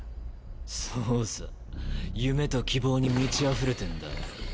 そうさ夢と希望に満ち溢れてんだよ。